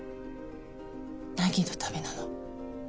凪のためなの。